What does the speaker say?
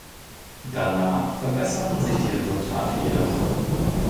Danach verbesserten sich die Resultate jedoch.